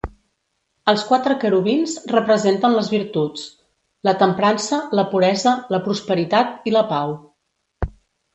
Els quatre querubins representen les virtuts: la temprança, la puresa, la prosperitat i la pau.